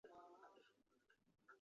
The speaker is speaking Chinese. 致赠精美小礼物